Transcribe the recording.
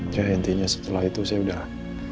ya intinya setelah itu saya sudah